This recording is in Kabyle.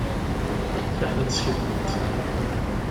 Fiḥel ad teskiddbeḍ.